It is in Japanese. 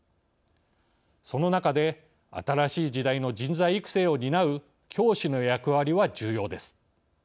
その中で新しい時代の人材育成を担う教師の役割は重要です。